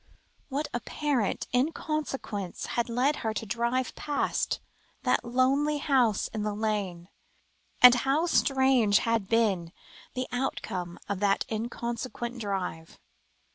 What apparent inconsequence had led her to drive past that lonely house in the lane, and how strange had been the outcome of that inconsequent drive.